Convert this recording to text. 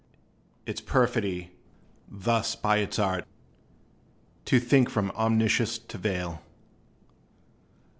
Its perfidy, thus by its art. To think from Omniscience to veil!